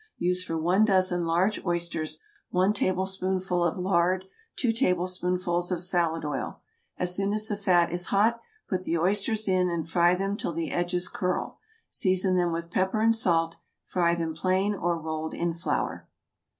Use for one dozen large oysters one tablespoonful of lard, two tablespoonfuls of salad oil. As soon as the fat is hot put the oysters in and fry them till the edges curl. Season them with pepper and salt. Fry them plain or rolled in flour.